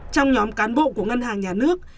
trong nhóm cán bộ của ngân hàng nhà nước